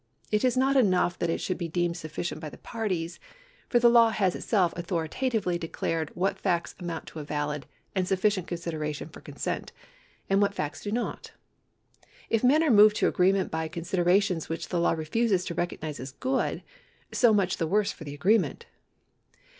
It is not enough that it should be deemed sufficient by the parties, for the law has itself authoritatively declared what facts amount to a valid and sufficient consideration for consent, and what facts do not. If men are moved to agreement by considera tions which the law refuses to recognise as good, so much the worse for the agreement.